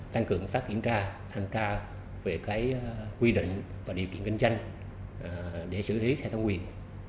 tăng cường pháp kiểm tra tham gia về quy định và điều kiện kinh doanh để xử lý xe thông quyền